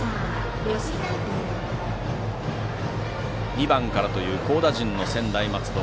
２番からという好打順の専大松戸。